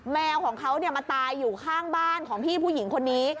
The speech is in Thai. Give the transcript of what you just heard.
แมวของเขามาตายอยู่ข้างบ้านของพี่ผู้หญิงคนนี้